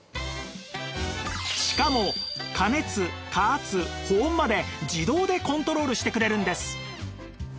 しかも加熱加圧保温まで自動でコントロールしてくれるんです